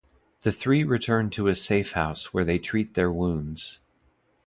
The three return to a safehouse where they treat their wounds.